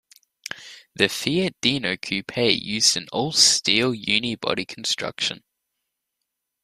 The Fiat Dino coupe used an all-steel unibody construction.